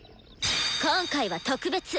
今回は特別！